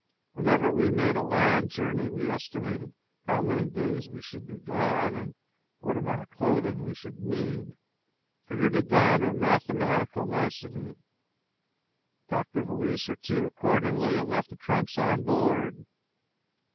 Whenever we made a land journey, we estimated how many days we should be gone and what amount of clothing we should need, figured it down to a mathematical nicety, packed a valise or two accordingly, and left the trunks on board.